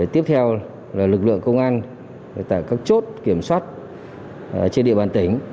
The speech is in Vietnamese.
tiếp theo là lực lượng công an tại các chốt kiểm soát trên địa bàn tỉnh